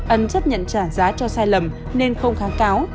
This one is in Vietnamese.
ân chấp nhận trả giá cho sai lầm nên không kháng cáo